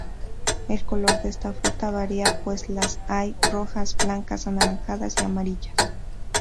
El color de esta fruta varía, pues las hay rojas, blancas, anaranjadas y amarillas.